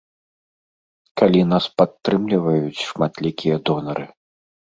Калі нас падтрымліваюць шматлікія донары.